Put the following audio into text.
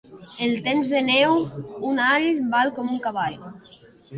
En temps de neu, un all val com un cavall.